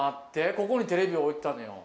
ここにテレビ置いてたのよ。